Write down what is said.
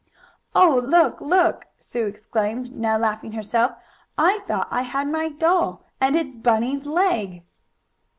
"Oh, look! look!" Sue exclaimed, now laughing herself. "I thought I had my doll, and it's Bunny's leg!"